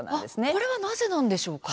これはなぜなんでしょうか？